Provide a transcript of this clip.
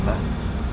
patusan ya pak